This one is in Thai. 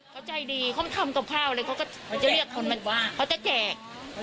เขาใจดีเขาทำกับข้าวเลยเขาก็เขาจะเรียกคนมาว่าเขาจะแจก